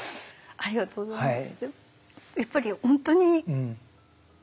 ありがとうございます。